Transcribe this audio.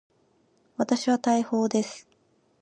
私は大砲です。